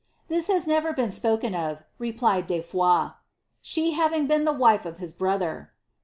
^ This has never been spoken of," replied de Foys, ^^ she having been the wife of his brother."